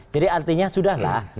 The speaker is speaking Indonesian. jadi artinya sudah lah